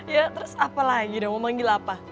ya terus apa lagi dan mau manggil apa